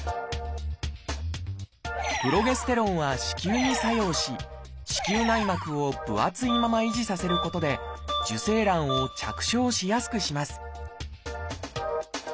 プロゲステロンは子宮に作用し子宮内膜を分厚いまま維持させることで受精卵を着床しやすくします